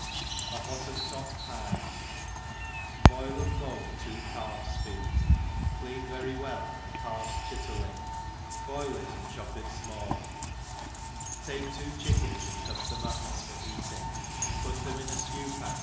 ^n Hottentot Pye: BOIL and bone two calf's feet, clean very well a calf's chitterling, boil it and chop it fmall^ take two chickens and cut them up as for eat ing, put theni in a ftew pan